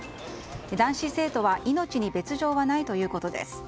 男子生徒は命に別条はないということです。